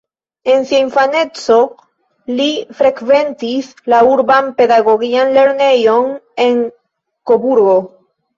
En sia infaneco, li frekventis la urban pedagogian lernejon en Koburgo.